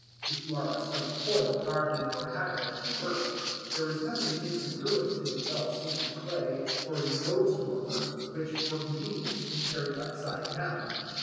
If you are a son of toil garbed in your habit as you work, there is nothing incongruous in a well seasoned clay or a 'nose warmer,' which, for convenience, you carry upside down.